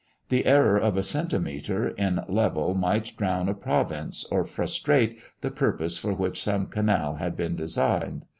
The error of a centimètre in level might drown a province, or frustrate the purpose for which some canal had been designed.